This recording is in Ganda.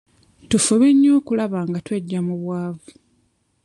Tufube nnyo okulaba nga tweggya mu bwavu.